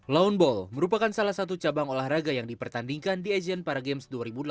lownball merupakan salah satu cabang olahraga yang dipertandingkan di asian para games dua ribu delapan belas